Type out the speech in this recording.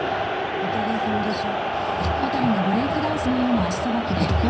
お互いさまでしょ。